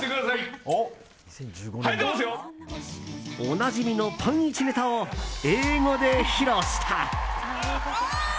おなじみのパンイチネタを英語で披露した。